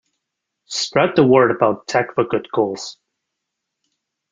Spread the word about tech for good goals.